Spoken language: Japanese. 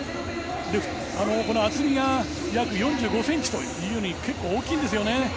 厚みが４５ｃｍというふうに結構大きいんですよね。